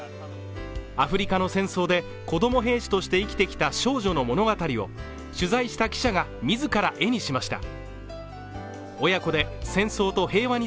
アフリカの戦争で子供兵士として生きてきた少女の物語を取材した記者が自ら絵にしました。